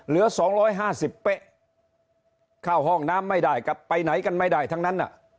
เหลือ๒๕๐เป๊ะเข้าห้องน้ำไม่ได้กลับไปไหนกันไม่ได้ทั้งนั้น